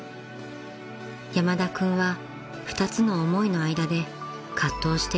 ［山田君は２つの思いの間で葛藤していたといいます］